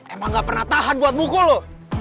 emang gak pernah tahan buat buku lu